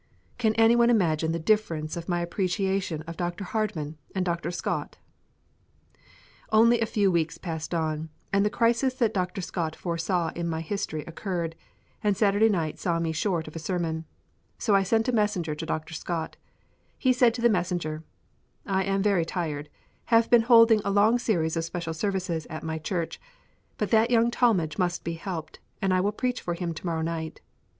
Can anyone imagine the difference of my appreciation of Dr. Hardman and Dr. Scott? Only a few weeks passed on, and the crisis that Dr. Scott foresaw in my history occurred, and Saturday night saw me short of a sermon. So I sent a messenger to Dr. Scott. He said to the messenger, "I am very tired; have been holding a long series of special services in my church, but that young Talmage must be helped, and I will preach for him to morrow night."